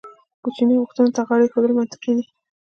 کوچنۍ غوښتنو ته غاړه ایښودل منطقي دي.